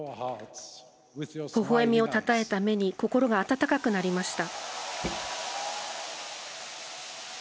ほほ笑みをたたえた目に心が温かくなりました。